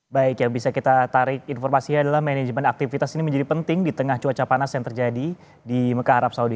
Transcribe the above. baik yang bisa kita tarik informasinya adalah manajemen aktivitas ini menjadi penting di tengah cuaca panas yang terjadi di mekah arab saudi